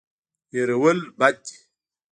هېر کول بد دی.